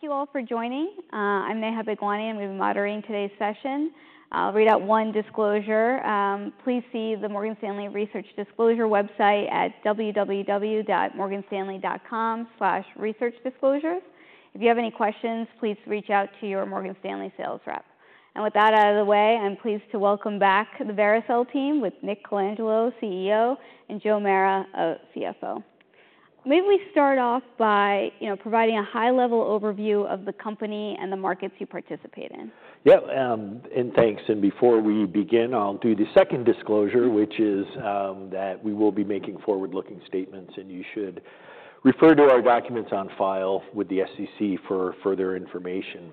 Thank you all for joining. I'm Neha Bhagwani. I'm going to be moderating today's session. I'll read out one disclosure. Please see the Morgan Stanley Research Disclosure website at www.morganstanley.com/researchdisclosures. If you have any questions, please reach out to your Morgan Stanley sales rep. And with that out of the way, I'm pleased to welcome back the Vericel team with Nick Colangelo, CEO, and Joe Mara, CFO. Maybe we start off by, you know, providing a high-level overview of the company and the markets you participate in. Yep, and thanks. And before we begin, I'll do the second disclosure, which is that we will be making forward-looking statements, and you should refer to our documents on file with the SEC for further information.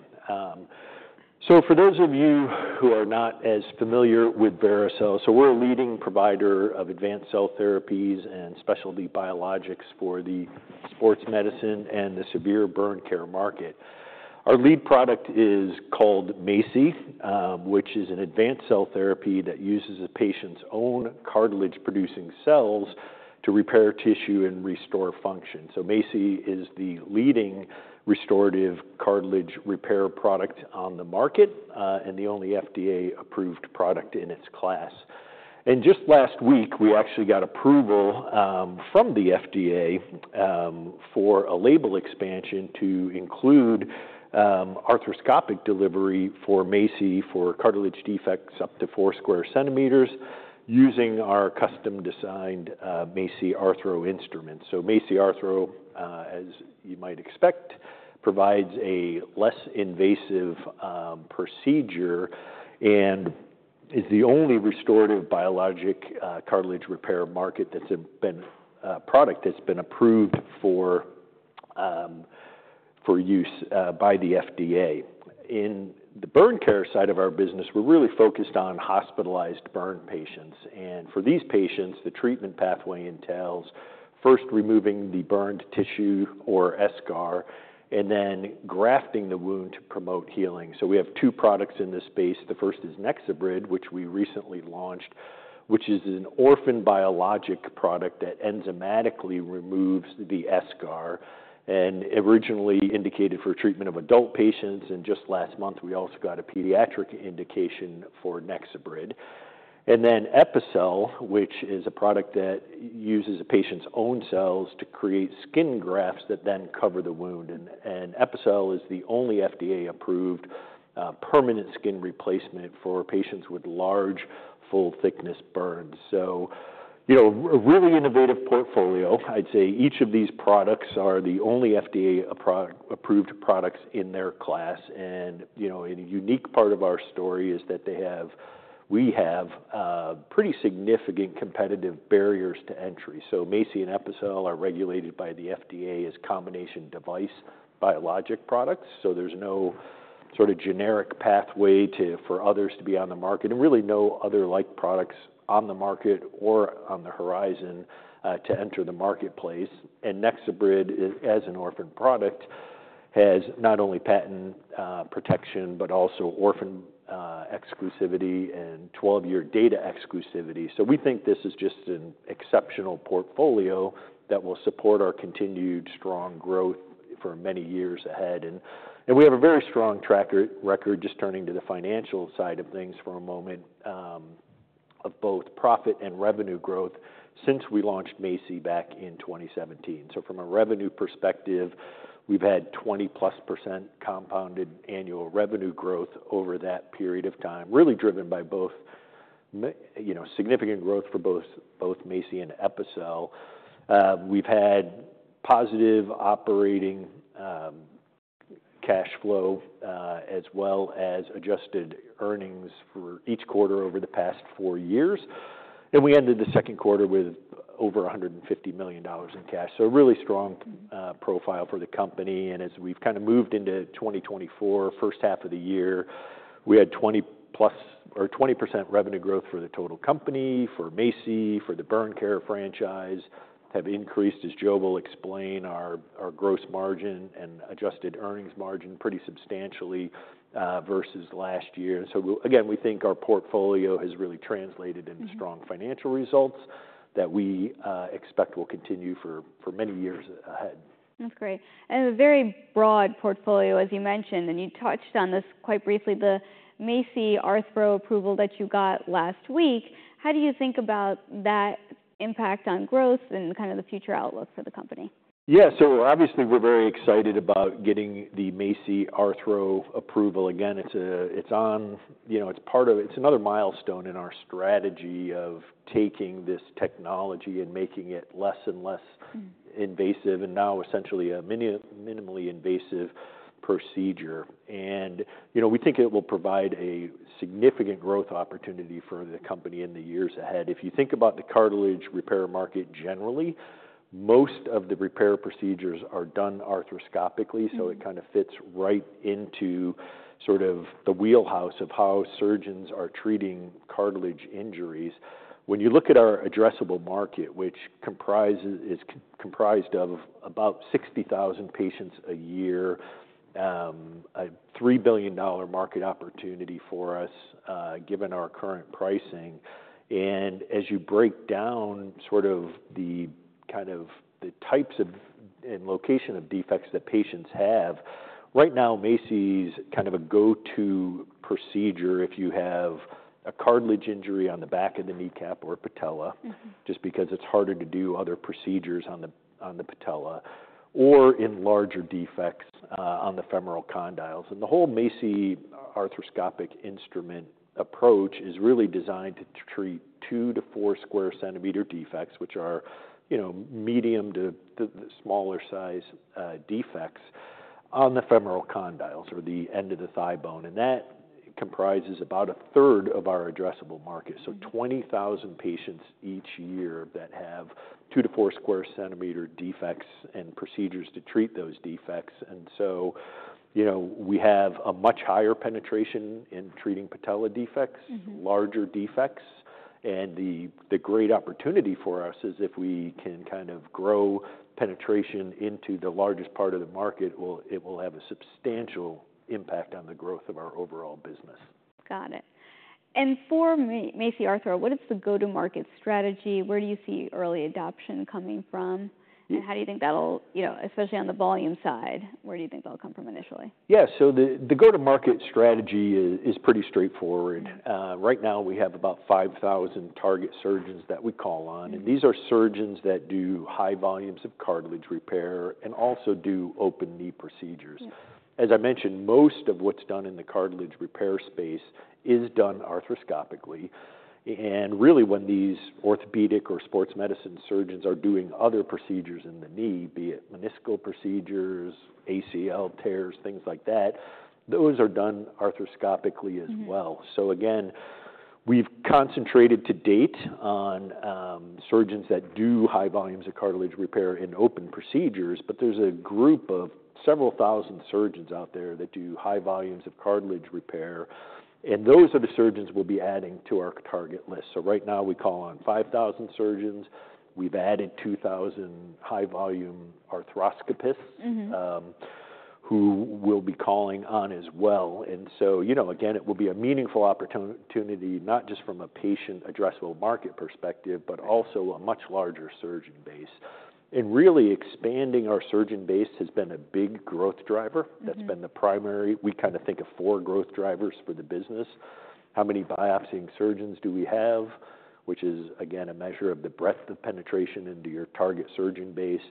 So for those of you who are not as familiar with Vericel, we're a leading provider of advanced cell therapies and specialty biologics for the sports medicine and the severe burn care market. Our lead product is called MACI, which is an advanced cell therapy that uses a patient's own cartilage-producing cells to repair tissue and restore function. So MACI is the leading restorative cartilage repair product on the market, and the only FDA-approved product in its class. Just last week, we actually got approval from the FDA for a label expansion to include arthroscopic delivery for MACI for cartilage defects up to 4 sq cm, using our custom-designed MACI Arthro instrument. MACI Arthro, as you might expect, provides a less invasive procedure and is the only restorative biologic cartilage repair product that's been approved for use by the FDA. In the burn care side of our business, we're really focused on hospitalized burn patients, and for these patients, the treatment pathway entails first removing the burned tissue or eschar, and then grafting the wound to promote healing. We have two products in this space. The first is NexoBrid, which we recently launched, which is an orphan biologic product that enzymatically removes the eschar, and originally indicated for treatment of adult patients, and just last month, we also got a pediatric indication for NexoBrid, and then Epicel, which is a product that uses a patient's own cells to create skin grafts that then cover the wound, and Epicel is the only FDA-approved permanent skin replacement for patients with large, full-thickness burns, so you know, a really innovative portfolio. I'd say each of these products are the only FDA-approved products in their class, and you know, a unique part of our story is that we have pretty significant competitive barriers to entry. So MACI and Epicel are regulated by the FDA as combination device biologic products, so there's no sort of generic pathway to, for others to be on the market, and really no other like products on the market or on the horizon, to enter the marketplace. And NexoBrid, as an orphan product, has not only patent protection, but also orphan exclusivity and twelve-year data exclusivity. So we think this is just an exceptional portfolio that will support our continued strong growth for many years ahead. And we have a very strong track record, just turning to the financial side of things for a moment, of both profit and revenue growth since we launched MACI back in 2017. From a revenue perspective, we've had 20+% compounded annual revenue growth over that period of time, really driven by both you know, significant growth for both MACI and Epicel. We've had positive operating cash flow as well as adjusted earnings for each quarter over the past four years. We ended the second quarter with over $150 million in cash. A really strong profile for the company. As we've kind of moved into 2024, first half of the year, we had 20+% or 20% revenue growth for the total company, for MACI, for the burn care franchise. We have increased, as Joe will explain, our gross margin and adjusted earnings margin pretty substantially versus last year. Again, we think our portfolio has really translated into- strong financial results that we expect will continue for many years ahead. That's great. And a very broad portfolio, as you mentioned, and you touched on this quite briefly, the MACI Arthro approval that you got last week, how do you think about that impact on growth and kind of the future outlook for the company? Yeah. So obviously, we're very excited about getting the MACI Arthro approval. Again, it's another milestone in our strategy of taking this technology and making it less and less- ...invasive, and now essentially a minimally invasive procedure. And, you know, we think it will provide a significant growth opportunity for the company in the years ahead. If you think about the cartilage repair market, generally, most of the repair procedures are done arthroscopically so it kind of fits right into sort of the wheelhouse of how surgeons are treating cartilage injuries. When you look at our addressable market, which comprises, is comprised of about 60,000 patients a year, a $3 billion market opportunity for us, given our current pricing. And as you break down sort of kind of the types of and location of defects that patients have. Right now, MACI's kind of a go-to procedure if you have a cartilage injury on the back of the kneecap or patella- Just because it's harder to do other procedures on the, on the patella, or in larger defects on the femoral condyles, and the whole MACI arthroscopic instrument approach is really designed to treat two to four square centimeter defects, which are, you know, medium to smaller size defects on the femoral condyles, or the end of the thigh bone, and that comprises about a third of our addressable market. So 20,000 patients each year that have 2-4 square centimeter defects and procedures to treat those defects. And so, you know, we have a much higher penetration in treating patella defects larger defects. The great opportunity for us is if we can kind of grow penetration into the largest part of the market. It will have a substantial impact on the growth of our overall business. Got it. And for MACI Arthro, what is the go-to-market strategy? Where do you see early adoption coming from? And how do you think that'll... You know, especially on the volume side, where do you think that'll come from initially? Yeah. So the go-to-market strategy is pretty straightforward. Right now we have about five thousand target surgeons that we call on and these are surgeons that do high volumes of cartilage repair and also do open knee procedures. As I mentioned, most of what's done in the cartilage repair space is done arthroscopically, and really, when these orthopedic or sports medicine surgeons are doing other procedures in the knee, be it meniscal procedures, ACL tears, things like that, those are done arthroscopically as well. So again, we've concentrated to date on surgeons that do high volumes of cartilage repair in open procedures, but there's a group of several thousand surgeons out there that do high volumes of cartilage repair, and those are the surgeons we'll be adding to our target list. So right now, we call on five thousand surgeons. We've added two thousand high-volume arthroscopists who we'll be calling on as well. And so, you know, again, it will be a meaningful opportunity, not just from a patient addressable market perspective, but also a much larger surgeon base. And really, expanding our surgeon base has been a big growth driver. That's been the primary. We kind of think of four growth drivers for the business: How many biopsying surgeons do we have? Which is, again, a measure of the breadth of penetration into your target surgeon base.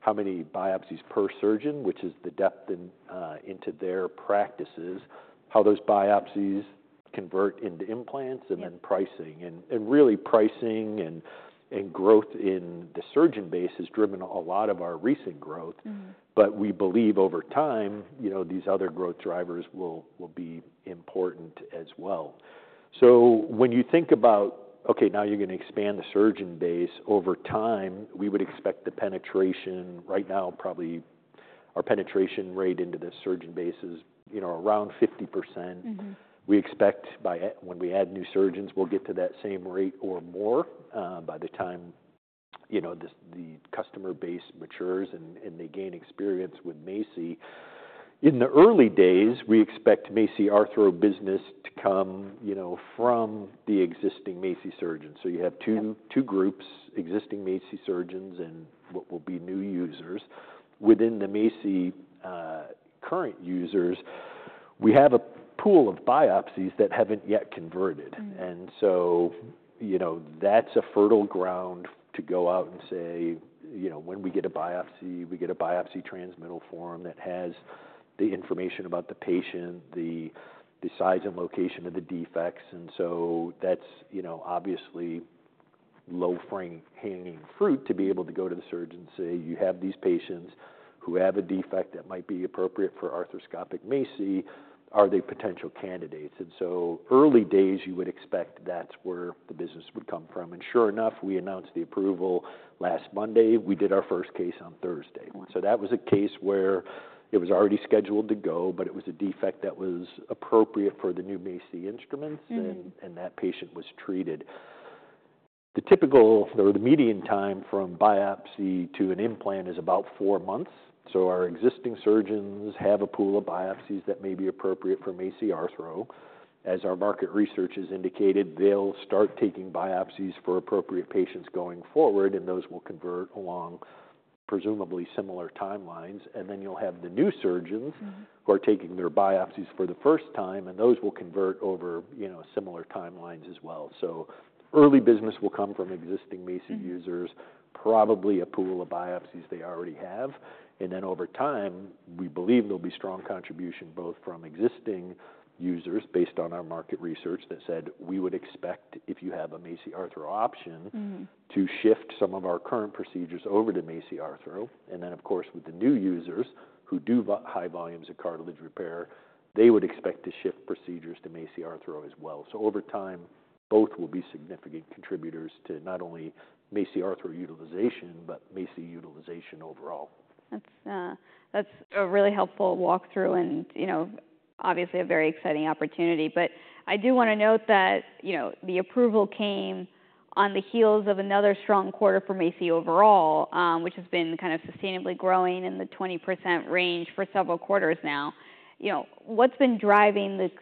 How many biopsies per surgeon? Which is the depth into their practices. How those biopsies convert into implants and then pricing. And really, pricing and growth in the surgeon base has driven a lot of our recent growth. But we believe over time, you know, these other growth drivers will be important as well. So when you think about, okay, now you're gonna expand the surgeon base over time, we would expect the penetration. Right now, probably our penetration rate into the surgeon base is, you know, around 50%. We expect when we add new surgeons, we'll get to that same rate or more, by the time, you know, the customer base matures and they gain experience with MACI. In the early days, we expect MACI Arthro business to come, you know, from the existing MACI surgeons. Yeah. You have two groups, existing MACI surgeons and what will be new users. Within the MACI current users, we have a pool of biopsies that haven't yet converted. And so, you know, that's a fertile ground to go out and say, you know, when we get a biopsy, we get a biopsy transmittal form that has the information about the patient, the size and location of the defects. And so that's, you know, obviously low-hanging fruit to be able to go to the surgeon and say, "You have these patients who have a defect that might be appropriate for arthroscopic MACI. Are they potential candidates?" And so, early days, you would expect that's where the business would come from. And sure enough, we announced the approval last Monday. We did our first case on Thursday. So that was a case where it was already scheduled to go, but it was a defect that was appropriate for the new MACI instruments-... and that patient was treated. The typical or the median time from biopsy to an implant is about four months, so our existing surgeons have a pool of biopsies that may be appropriate for MACI Arthro. As our market research has indicated, they'll start taking biopsies for appropriate patients going forward, and those will convert along presumably similar timelines. And then you'll have the new surgeons-... who are taking their biopsies for the first time, and those will convert over, you know, similar timelines as well. So early business will come from existing MACI users-... probably a pool of biopsies they already have. And then over time, we believe there'll be strong contribution both from existing users, based on our market research that said we would expect, if you have a MACI Arthro option-... to shift some of our current procedures over to MACI Arthro. And then, of course, with the new users who do very high volumes of cartilage repair, they would expect to shift procedures to MACI Arthro as well. So over time, both will be significant contributors to not only MACI Arthro utilization, but MACI utilization overall. That's a really helpful walkthrough and, you know, obviously a very exciting opportunity. But I do wanna note that, you know, the approval came on the heels of another strong quarter for MACI overall, which has been kind of sustainably growing in the 20% range for several quarters now. You know, what's been driving this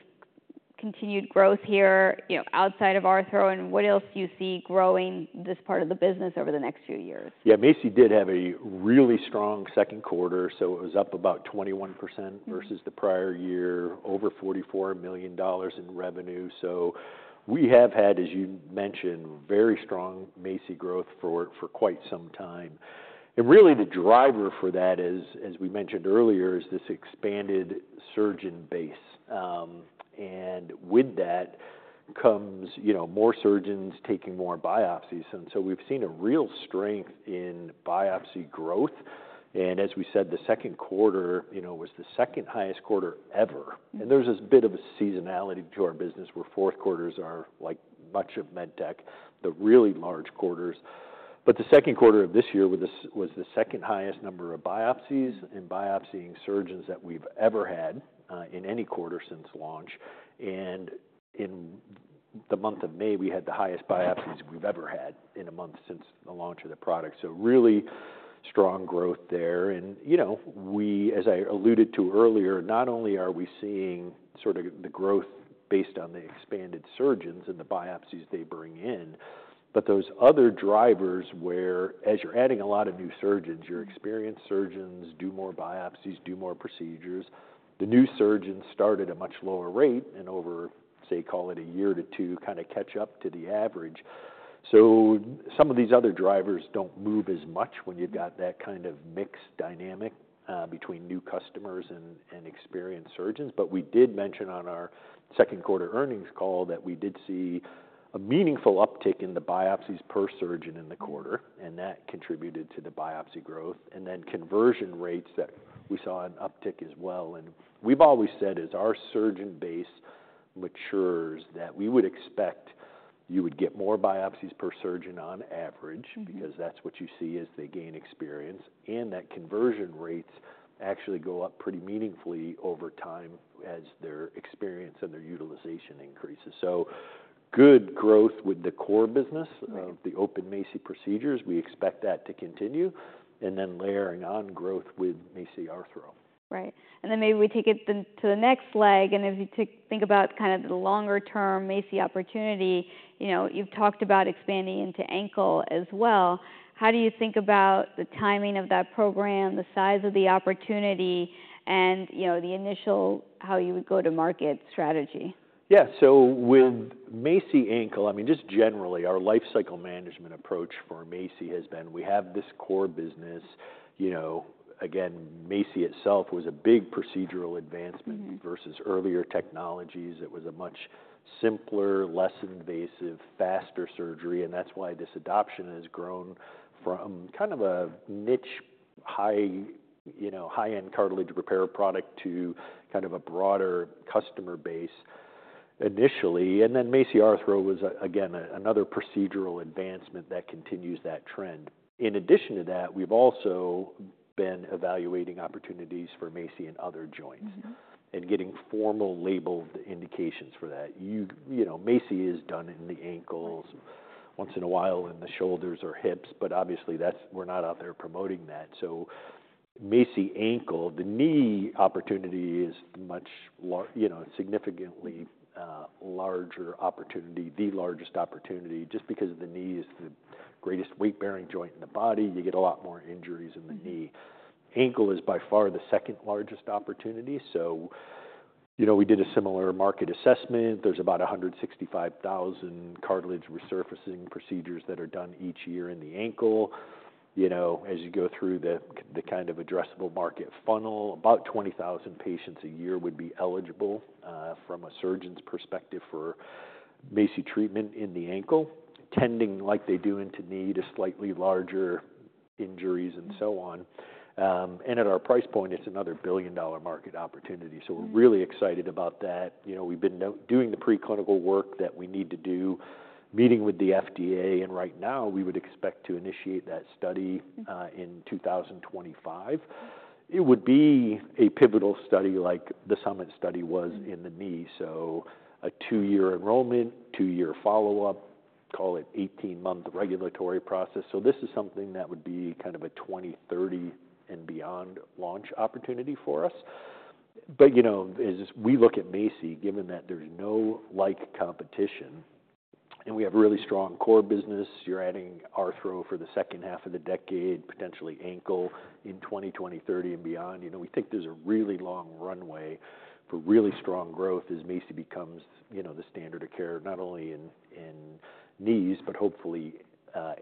continued growth here, you know, outside of Arthro, and what else do you see growing this part of the business over the next few years? Yeah, MACI did have a really strong second quarter, so it was up about 21%. versus the prior year, over $44 million in revenue. So we have had, as you mentioned, very strong MACI growth for quite some time. And really, the driver for that is, as we mentioned earlier, this expanded surgeon base. And with that comes, you know, more surgeons taking more biopsies, and so we've seen a real strength in biopsy growth. And as we said, the second quarter, you know, was the second highest quarter ever. And there's this bit of a seasonality to our business, where fourth quarters are, like much of med tech, the really large quarters. But the second quarter of this year was the second highest number of biopsies and biopsying surgeons that we've ever had in any quarter since launch. And in the month of May, we had the highest biopsies we've ever had in a month since the launch of the product. So really strong growth there. And, you know, we, as I alluded to earlier, not only are we seeing sort of the growth based on the expanded surgeons and the biopsies they bring in, but those other drivers where, as you're adding a lot of new surgeons. your experienced surgeons do more biopsies, do more procedures. The new surgeons start at a much lower rate and over, say, call it a year or two, kind of catch up to the average. So some of these other drivers don't move as much when you've-... got that kind of mixed dynamic between new customers and experienced surgeons. But we did mention on our second quarter earnings call that we did see a meaningful uptick in the biopsies per surgeon in the quarter. and that contributed to the biopsy growth. And then conversion rates that we saw an uptick as well, and we've always said as our surgeon base matures, that we would expect you would get more biopsies per surgeon on average- because that's what you see as they gain experience. And that conversion rates actually go up pretty meaningfully over time as their experience and their utilization increases. So good growth with the core business. Right The open MACI procedures, we expect that to continue. And then layering on growth with MACI Arthro. Right. And then maybe we take it then to the next leg, and if you do think about kind of the longer term MACI opportunity, you know, you've talked about expanding into ankle as well. How do you think about the timing of that program, the size of the opportunity, and, you know, the initial, how you would go-to-market strategy? Yeah. So with MACI ankle, I mean, just generally, our lifecycle management approach for MACI has been, we have this core business. You know, again, MACI itself was a big procedural advancement. Versus earlier technologies. It was a much simpler, less invasive, faster surgery, and that's why this adoption has grown from kind of a niche, high, you know, high-end cartilage repair product to kind of a broader customer base initially, and then MACI Arthro was again another procedural advancement that continues that trend. In addition to that, we've also been evaluating opportunities for MACI in other joints and getting formal labeled indications for that. You know, MACI is done in the ankles. Right Once in a while, in the shoulders or hips, but obviously, that's, we're not out there promoting that. So MACI ankle, the knee opportunity is much larger, you know, significantly, larger opportunity, the largest opportunity, just because of the knee is the greatest weight-bearing joint in the body. You get a lot more injuries in the knee. Ankle is by far the second largest opportunity, so you know, we did a similar market assessment. There's about 165,000 cartilage resurfacing procedures that are done each year in the ankle. You know, as you go through the the kind of addressable market funnel, about 20,000 patients a year would be eligible, from a surgeon's perspective, for MACI treatment in the ankle. Tending, like they do in the knee, to slightly larger injuries and so on. And at our price point, it's another billion-dollar market opportunity. So we're really excited about that. You know, we've been doing the preclinical work that we need to do, meeting with the FDA, and right now, we would expect to initiate that study in 2025. It would be a pivotal study, like the SUMMIT study was in the knee, so a two-year enrollment, two-year follow-up, call it eighteen-month regulatory process. So this is something that would be kind of a 2030 and beyond launch opportunity for us. But, you know, as we look at MACI, given that there's no like competition and we have really strong core business, you're adding Arthro for the second half of the decade, potentially ankle in 2030 and beyond, you know, we think there's a really long runway for really strong growth as MACI becomes, you know, the standard of care, not only in knees, but hopefully,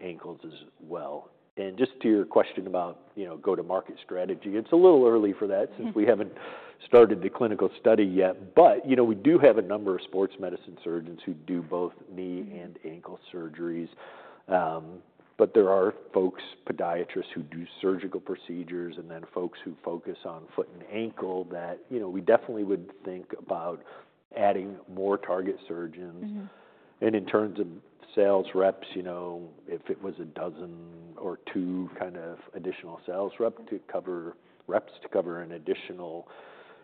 ankles as well. And just to your question about, you know, go-to-market strategy, it's a little early for that since we haven't started the clinical study yet, but you know, we do have a number of sports medicine surgeons who do both knee and ankle surgeries, but there are folks, podiatrists, who do surgical procedures, and then folks who focus on foot and ankle that, you know, we definitely would think about adding more target surgeons. In terms of sales reps, you know, if it was a dozen or two kind of additional sales reps to cover an additional,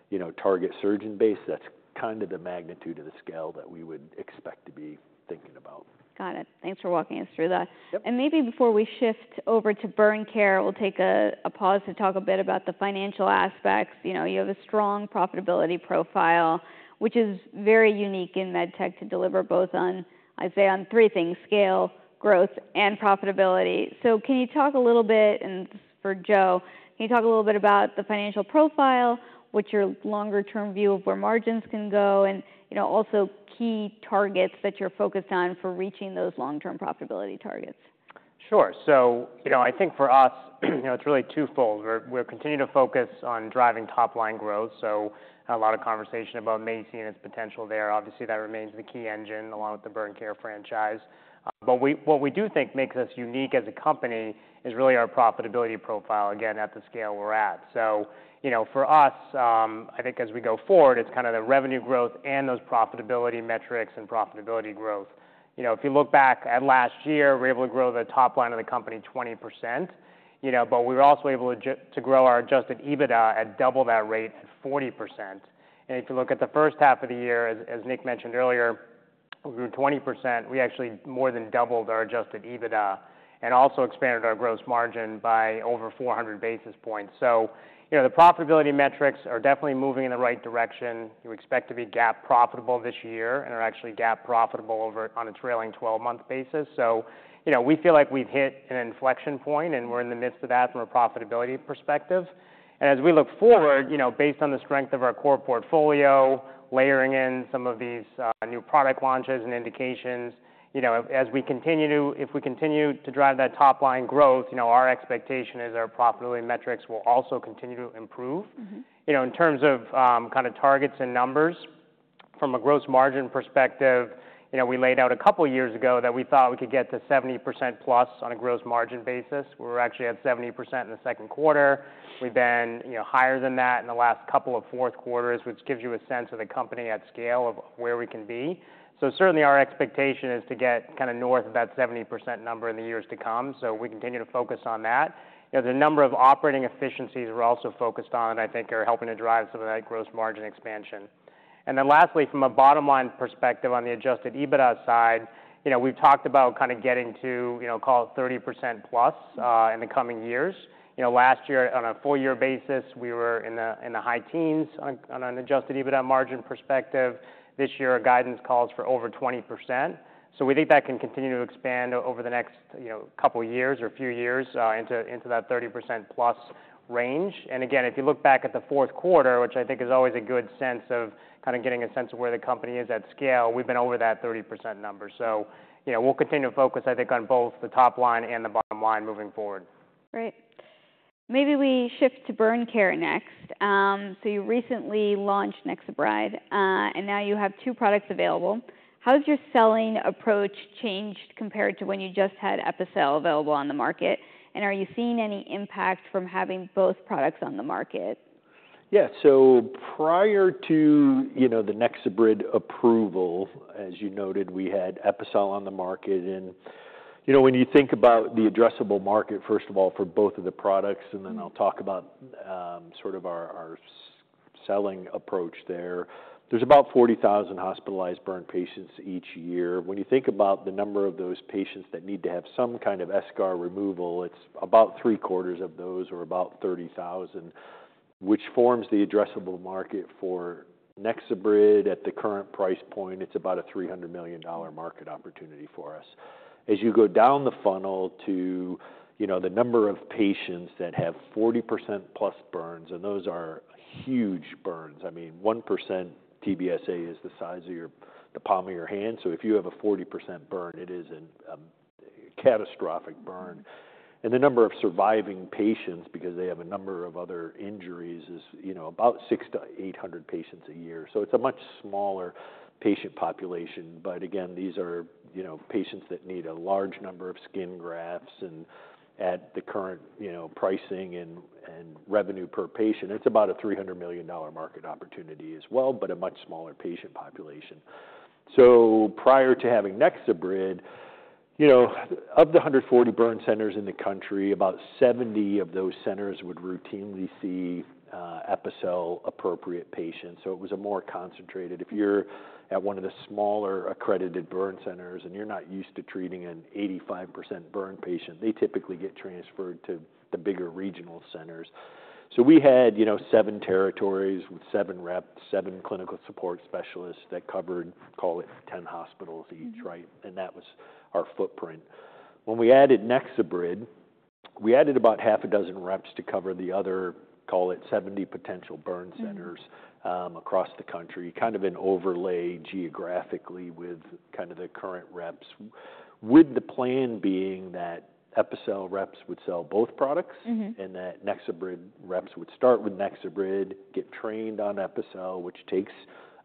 you know, target surgeon base, that's kind of the magnitude of the scale that we would expect to be thinking about. Got it. Thanks for walking us through that. Yep. Maybe before we shift over to burn care, we'll take a pause to talk a bit about the financial aspects. You know, you have a strong profitability profile, which is very unique in med tech to deliver both on, I'd say, on three things: scale, growth, and profitability. So can you talk a little bit, and this is for Joe, can you talk a little bit about the financial profile, what's your longer-term view of where margins can go, and, you know, also key targets that you're focused on for reaching those long-term profitability targets? Sure. So, you know, I think for us, you know, it's really twofold. We're, we're continuing to focus on driving top-line growth. So a lot of conversation about MACI and its potential there. Obviously, that remains the key engine, along with the burn care franchise. But what we do think makes us unique as a company is really our profitability profile, again, at the scale we're at. So, you know, for us, I think as we go forward, it's kind of the revenue growth and those profitability metrics and profitability growth. You know, if you look back at last year, we were able to grow the top line of the company 20%, you know, but we were also able to to grow our adjusted EBITDA at double that rate, at 40%. If you look at the first half of the year, as Nick mentioned earlier, we grew 20%. We actually more than doubled our adjusted EBITDA and also expanded our gross margin by over 400 basis points. So, you know, the profitability metrics are definitely moving in the right direction. We expect to be GAAP profitable this year and are actually GAAP profitable already on a trailing twelve-month basis. So, you know, we feel like we've hit an inflection point, and we're in the midst of that from a profitability perspective. As we look forward, you know, based on the strength of our core portfolio, layering in some of these new product launches and indications, you know, if we continue to drive that top-line growth, you know, our expectation is our profitability metrics will also continue to improve. You know, in terms of kind of targets and numbers, from a gross margin perspective, you know, we laid out a couple of years ago that we thought we could get to 70% plus on a gross margin basis. We're actually at 70% in the second quarter. We've been, you know, higher than that in the last couple of fourth quarters, which gives you a sense of the company at scale of where we can be. So certainly, our expectation is to get kind of north of that 70% number in the years to come, so we continue to focus on that. You know, the number of operating efficiencies we're also focused on, I think, are helping to drive some of that gross margin expansion. And then lastly, from a bottom-line perspective on the adjusted EBITDA side, you know, we've talked about kind of getting to, you know, call it 30% plus-... in the coming years. You know, last year, on a four-year basis, we were in the high teens on an adjusted EBITDA margin perspective. This year, our guidance calls for over 20%. So we think that can continue to expand over the next, you know, couple of years or a few years, into that 30% plus range. And again, if you look back at the fourth quarter, which I think is always a good sense of where the company is at scale, we've been over that 30% number. So, you know, we'll continue to focus, I think, on both the top line and the bottom line moving forward. Great. Maybe we shift to burn care next. So you recently launched NexoBrid, and now you have two products available. How has your selling approach changed compared to when you just had Epicel available on the market? And are you seeing any impact from having both products on the market? Yeah. So prior to, you know, the NexoBrid approval, as you noted, we had Epicel on the market, and, you know, when you think about the addressable market, first of all, for both of the products- And then I'll talk about sort of our selling approach there. There's about 40,000 hospitalized burn patients each year. When you think about the number of those patients that need to have some kind of eschar removal, it's about three-quarters of those, or about 30,000, which forms the addressable market for NexoBrid. At the current price point, it's about a $300 million market opportunity for us. As you go down the funnel to, you know, the number of patients that have 40% plus burns, and those are huge burns. I mean, 1% TBSA is the size of the palm of your hand. So if you have a 40% burn, it is a catastrophic burn. The number of surviving patients, because they have a number of other injuries, is, you know, about 600-800 patients a year. So it's a much smaller patient population. But again, these are, you know, patients that need a large number of skin grafts, and at the current, you know, pricing and revenue per patient, it's about a $300 million market opportunity as well, but a much smaller patient population. So prior to having NexoBrid, you know, of the 140 burn centers in the country, about 70 of those centers would routinely see Epicel-appropriate patients. So it was a more concentrated... If you're at one of the smaller accredited burn centers, and you're not used to treating an 85% burn patient, they typically get transferred to the bigger regional centers. So we had, you know, seven territories with seven reps, seven clinical support specialists that covered, call it, 10 hospitals each right? And that was our footprint. When we added NexoBrid, we added about 6 reps to cover the other, call it, 70 potential burn centers across the country, kind of an overlay geographically with kind of the current reps. With the plan being that Epicel reps would sell both products and that NexoBrid reps would start with NexoBrid, get trained on Epicel, which takes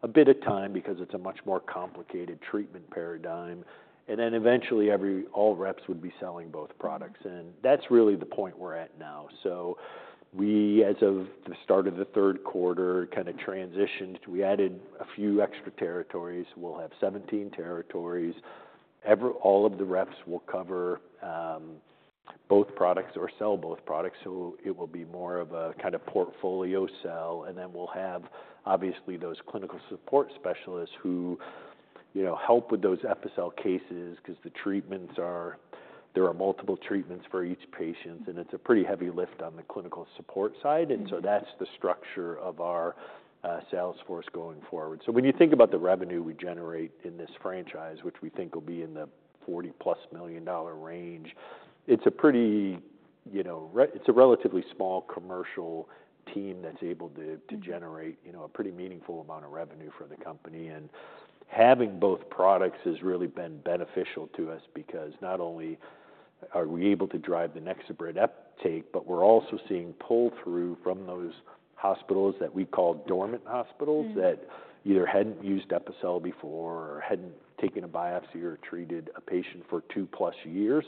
a bit of time because it's a much more complicated treatment paradigm, and then eventually, all reps would be selling both products. And that's really the point we're at now. So we, as of the start of the third quarter, kind of transitioned. We added a few extra territories. We'll have seventeen territories. All of the reps will cover both products or sell both products, so it will be more of a kind of portfolio sale. And then we'll have, obviously, those clinical support specialists who, you know, help with those Epicel cases, 'cause the treatments are. There are multiple treatments for each patient, and it's a pretty heavy lift on the clinical support side. And so that's the structure of our sales force going forward. When you think about the revenue we generate in this franchise, which we think will be in the $40-plus million range, it's a pretty, you know, relatively small commercial team that's able to generate you know, a pretty meaningful amount of revenue for the company, and having both products has really been beneficial to us, because not only are we able to drive the NexoBrid uptake, but we're also seeing pull-through from those hospitals that we call dormant hospitals that either hadn't used Epicel before or hadn't taken a biopsy or treated a patient for two-plus years.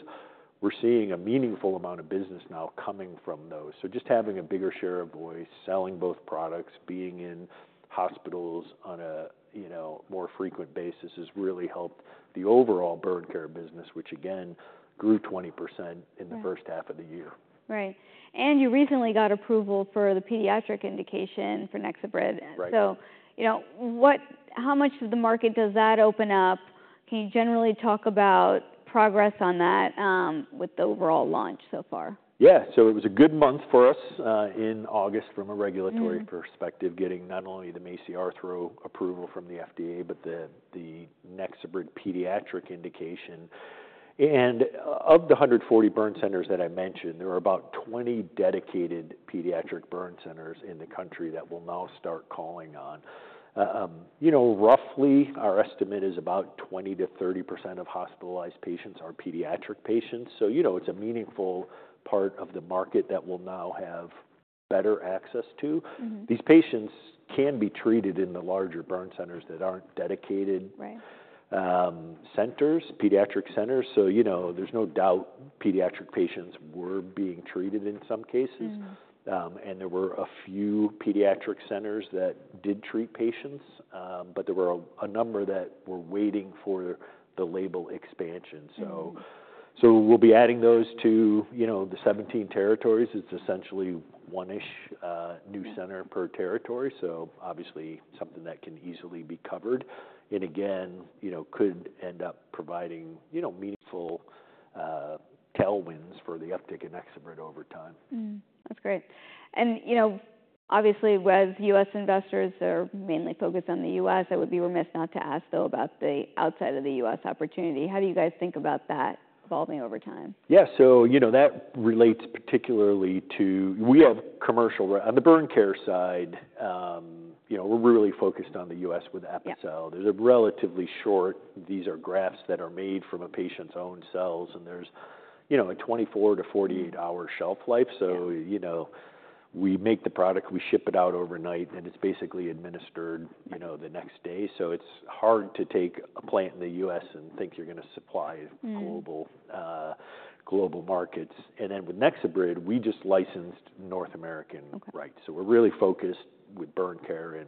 We're seeing a meaningful amount of business now coming from those. So just having a bigger share of voice, selling both products, being in hospitals on a, you know, more frequent basis has really helped the overall burn care business, which again, grew 20% in the- Right first half of the year. Right, and you recently got approval for the pediatric indication for NexoBrid. Right. You know, what-- how much of the market does that open up? Can you generally talk about progress on that, with the overall launch so far? Yeah. So it was a good month for us in August from a regulatory perspective, getting not only the MACI Arthro approval from the FDA, but the NexoBrid pediatric indication. Of the 140 burn centers that I mentioned, there are about 20 dedicated pediatric burn centers in the country that we'll now start calling on. You know, roughly, our estimate is about 20%-30% of hospitalized patients are pediatric patients. So, you know, it's a meaningful part of the market that we'll now have better access to. These patients can be treated in the larger burn centers that aren't dedicated- Right Centers, pediatric centers. So, you know, there's no doubt pediatric patients were being treated in some cases. And there were a few pediatric centers that did treat patients, but there were a number that were waiting for the label expansion, so. We'll be adding those to, you know, the seventeen territories. It's essentially one-ish new center per territory, so obviously something that can easily be covered. And again, you know, could end up providing, you know, meaningful tailwinds for the uptick in NexoBrid over time. That's great, and you know, obviously, with U.S. investors, they're mainly focused on the U.S. I would be remiss not to ask, though, about the outside of the U.S. opportunity. How do you guys think about that evolving over time? Yeah, so, you know, that relates particularly to... We have commercial. On the burn care side, you know, we're really focused on the U.S. with Epicel. Yeah. There's a relatively short, these are grafts that are made from a patient's own cells, and there's, you know, a 24- to 48-hour shelf life. Yeah. So, you know, we make the product, we ship it out overnight, and it's basically administered, you know, the next day. So it's hard to take a plant in the U.S. and think you're gonna supply-global, global markets. And then with NexoBrid, we just licensed North American rights. So we're really focused with burn care in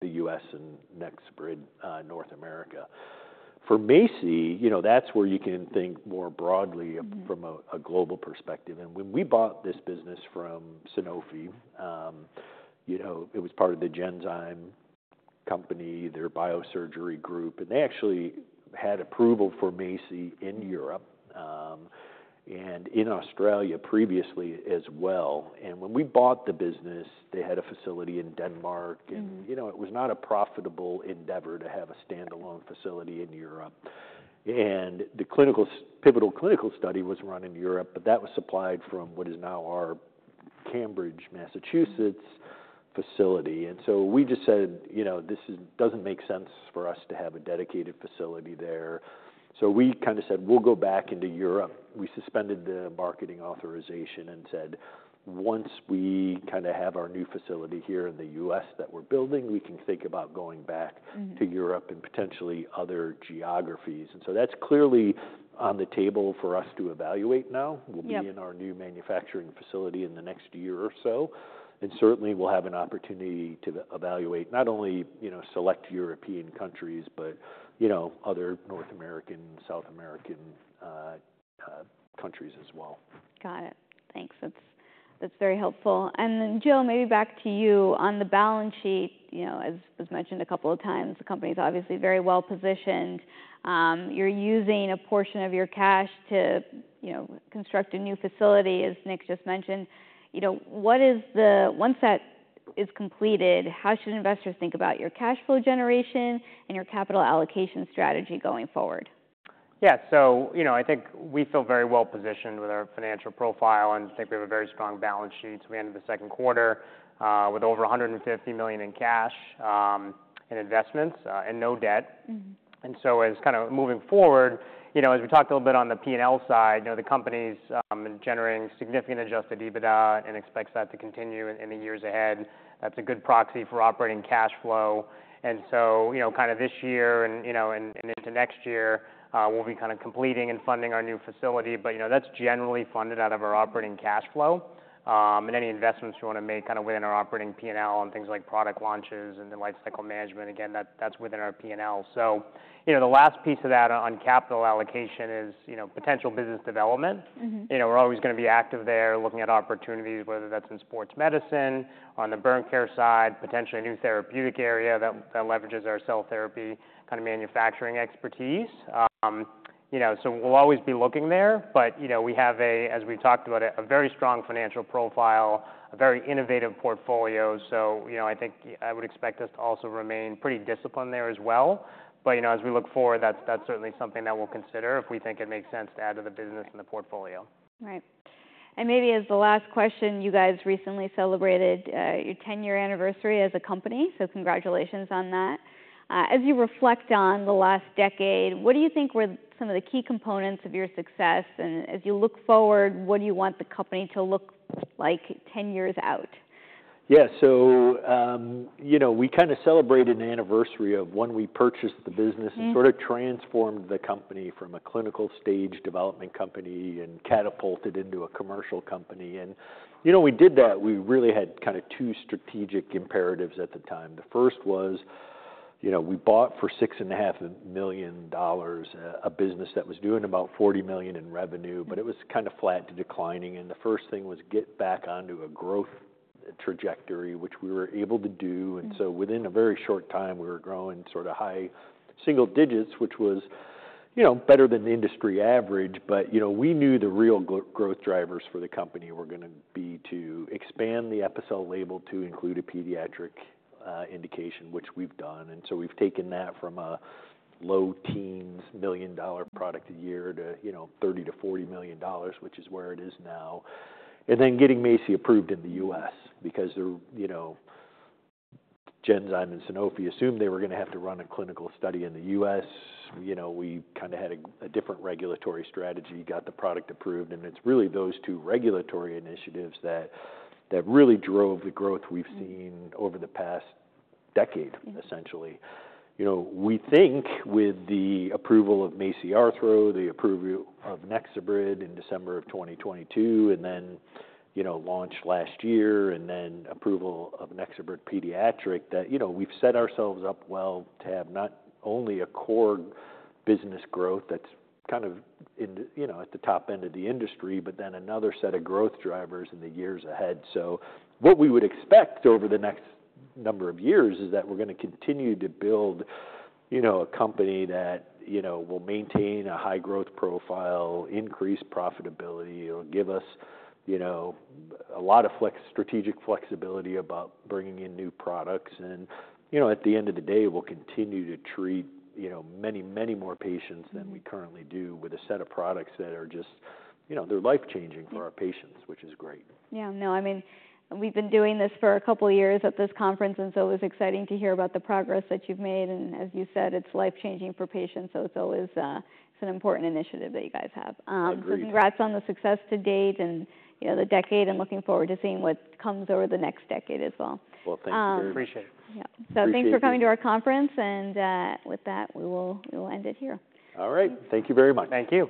the U.S. and NexoBrid, North America. For MACI, you know, that's where you can think more broadly from a global perspective, and when we bought this business from Sanofi, you know, it was part of the Genzyme company, their biosurgery group, and they actually had approval for MACI in Europe, and in Australia previously as well, and when we bought the business, they had a facility in Denmark and, you know, it was not a profitable endeavor to have a standalone facility in Europe. And the pivotal clinical study was run in Europe, but that was supplied from what is now our Cambridge, Massachusetts, facility. And so we just said, "You know, this doesn't make sense for us to have a dedicated facility there." So we kind of said, "We'll go back into Europe." We suspended the marketing authorization and said, "Once we kinda have our new facility here in the U.S. that we're building, we can think about going back to Europe and potentially other geographies, and so that's clearly on the table for us to evaluate now. Yeah. We'll be in our new manufacturing facility in the next year or so, and certainly we'll have an opportunity to evaluate not only, you know, select European countries, but, you know, other North American, South American, countries as well. Got it. Thanks. That's very helpful. And then, Joe, maybe back to you. On the balance sheet, you know, as mentioned a couple of times, the company's obviously very well-positioned. You're using a portion of your cash to, you know, construct a new facility, as Nick just mentioned. You know, once that is completed, how should investors think about your cash flow generation and your capital allocation strategy going forward? Yeah, so, you know, I think we feel very well-positioned with our financial profile, and I think we have a very strong balance sheet. So we ended the second quarter with over $150 million in cash and investments and no debt. And so as kind of moving forward, you know, as we talked a little bit on the P&L side, you know, the company's generating significant adjusted EBITDA and expects that to continue in the years ahead. That's a good proxy for operating cash flow. And so, you know, kind of this year and, you know, and into next year, we'll be kind of completing and funding our new facility, but, you know, that's generally funded out of our operating cash flow. And any investments we wanna make kind of within our operating P&L on things like product launches and then lifecycle management, again, that's within our P&L. So, you know, the last piece of that on capital allocation is, you know, potential business development. You know, we're always gonna be active there, looking at opportunities, whether that's in sports medicine, on the burn care side, potentially a new therapeutic area that leverages our cell therapy kind of manufacturing expertise. You know, so we'll always be looking there, but you know, we have, as we talked about, a very strong financial profile, a very innovative portfolio. You know, I think I would expect us to also remain pretty disciplined there as well. You know, as we look forward, that's certainly something that we'll consider if we think it makes sense to add to the business and the portfolio. Right. And maybe as the last question, you guys recently celebrated your ten-year anniversary as a company, so congratulations on that. As you reflect on the last decade, what do you think were some of the key components of your success? And as you look forward, what do you want the company to look like ten years out? Yeah, so, you know, we kind of celebrated an anniversary of when we purchased the business- and sort of transformed the company from a clinical stage development company and catapulted into a commercial company. And, you know, we did that, we really had kind of two strategic imperatives at the time. The first was, you know, we bought for $6.5 million a business that was doing about $40 million in revenue- But it was kind of flat to declining, and the first thing was to get back onto a growth trajectory, which we were able to do. And so within a very short time, we were growing sort of high single digits, which was, you know, better than the industry average. But, you know, we knew the real growth drivers for the company were gonna be to expand the Epicel label to include a pediatric indication, which we've done. And so we've taken that from a low teens million-dollar product a year to, you know, $30-$40 million, which is where it is now. And then getting MACI approved in the U.S. because, you know, Genzyme and Sanofi assumed they were gonna have to run a clinical study in the U.S. You know, we kind of had a different regulatory strategy, got the product approved, and it's really those two regulatory initiatives that really drove the growth we've seen over the past decade- Essentially. You know, we think with the approval of MACI Arthro, the approval of NexoBrid in December of 2022, and then, you know, launched last year, and then approval of NexoBrid pediatric, that, you know, we've set ourselves up well to have not only a core business growth that's kind of in the, you know, at the top end of the industry, but then another set of growth drivers in the years ahead. So what we would expect over the next number of years is that we're gonna continue to build, you know, a company that, you know, will maintain a high growth profile, increase profitability, it'll give us, you know, a lot of strategic flexibility about bringing in new products. And, you know, at the end of the day, we'll continue to treat, you know, many, many more patients. Than we currently do with a set of products that are just, you know, they're life-changing for our patients, which is great. Yeah. No, I mean, we've been doing this for a couple of years at this conference, and so it was exciting to hear about the progress that you've made, and as you said, it's life-changing for patients, so it's always, it's an important initiative that you guys have. I agree. So congrats on the success to date and, you know, the decade, and looking forward to seeing what comes over the next decade as well. Thank you very much. Appreciate it. Yeah. Thanks. So thanks for coming to our conference, and with that, we will end it here. All right. Thank you very much. Thank you.